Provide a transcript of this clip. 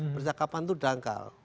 percakapan itu dangkal